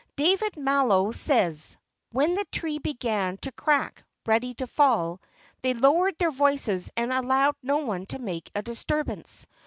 David Malo says: "When the tree began to crack, ready to fall, they lowered their voices and allowed no one to make a disturbance.